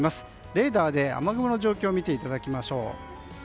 レーダーで雨雲の状況を見ていただきましょう。